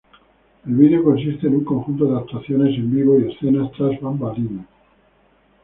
El vídeo consiste en un conjunto de actuaciones en vivo y escenas tras bambalinas.